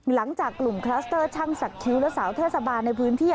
หลังจากกลุ่มคลัสเตอร์ช่างสักคิ้วและสาวเทศบาลในพื้นที่